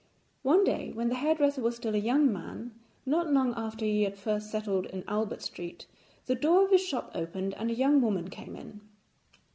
One day when the hairdresser was still a young man, not long after he had first settled in Albert Street, the door of his shop opened, and a young woman came in.